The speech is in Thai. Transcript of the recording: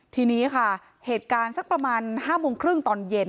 ทีนี้ค่ะเหตุการณ์สักประมาณ๕โมงครึ่งตอนเย็น